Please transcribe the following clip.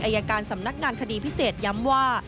อายการสำนักงานคดีพิเศษย้ำว่า